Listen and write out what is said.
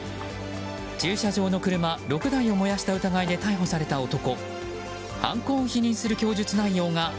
駐車場の車６台を燃やした疑いで逮捕された男。